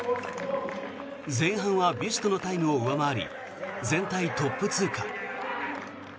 前半はビュストのタイムを上回り全体トップ通過。